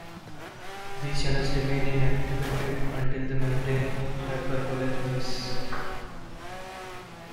These channels remain inactivated until the membrane hyperpolarizes.